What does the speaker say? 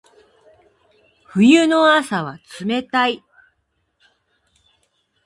冬の朝は冷たい。